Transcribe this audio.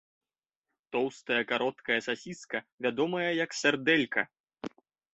Тоўстая кароткая сасіска вядомая як сардэлька.